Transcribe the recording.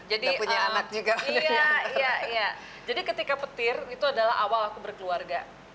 jadi ketika petir itu adalah awal aku berkeluarga